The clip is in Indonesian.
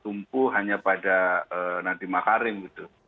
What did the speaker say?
tumpu hanya pada nadiem makarim gitu